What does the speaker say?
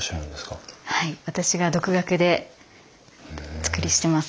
はい私が独学でお作りしてます。